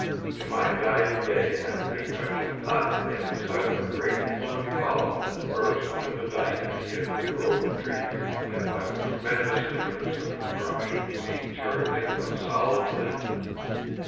To my dying day, I think, I shall not forget the sight of a great fluid column that burst through the dyke at the edge of the grove of trees, and, by the tremendous impetus of its rush, seemed turned into a solid thing.